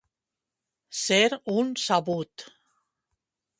Ser un sabut.